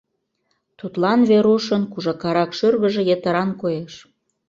Тудлан Верушын кужакарак шӱргыжӧ йытыран коеш.